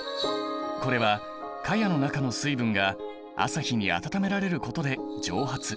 これはかやの中の水分が朝日に温められることで蒸発。